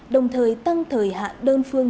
đồng thời tăng thời hạn đơn phương